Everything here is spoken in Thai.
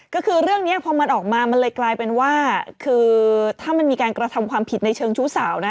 ก็คือเรื่องนี้พอมันออกมามันเลยกลายเป็นว่าคือถ้ามันมีการกระทำความผิดในเชิงชู้สาวนะ